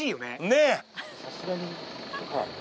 ねえ。